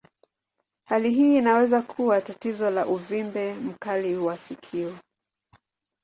Hali hii inaweza kuwa tatizo la uvimbe mkali wa sikio.